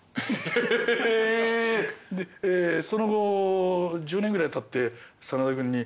その後１０年ぐらいたって真田君に。